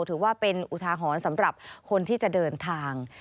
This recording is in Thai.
ถือว่าเป็นอุทาหรณ์สำหรับคนที่จะเดินทาง